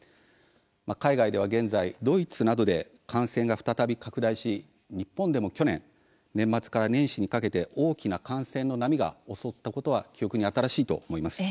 海外では現在ドイツなどで感染が再び拡大し日本でも去年年末から年始にかけて大きな感染の波が襲ったことは記憶に新しいと思います。